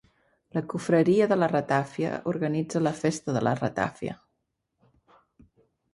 La Confraria de la Ratafia organitza la Festa de la Ratafia.